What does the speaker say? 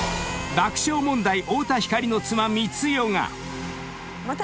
［爆笑問題太田光の妻光代が］